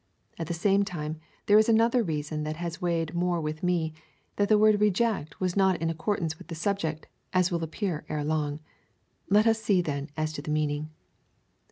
At the same time, there is another reason that has weighed more with me,^ — that the word reject was not in accordance with the subject, as will appear ere long. Let us see, then, as to the meaning.